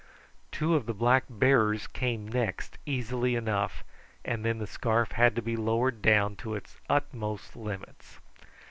Two of the black bearers came next easily enough, and then the scarf had to be lowered down to its utmost limits.